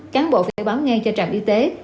cán bộ phải báo ngay cho trạm y tế